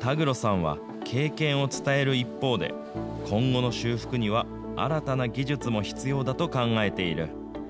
田畔さんは、経験を伝える一方で、今後の修復には新たな技術も必要だと考えている。